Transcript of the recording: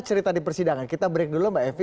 cerita di persidangan kita break dulu mbak evi